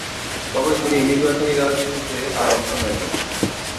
তবে তিনি নির্বাচনী রাজনীতিতে আর অংশ নেননি।